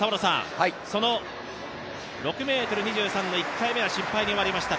その６ｍ２３の１回目は失敗に終わりました。